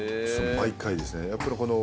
毎回ですね。